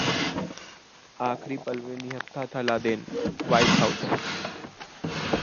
आखिरी पल में निहत्था था लादेन: व्हाइट हाउस